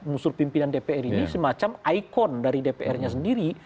unsur pimpinan dpr ini semacam ikon dari dprnya sendiri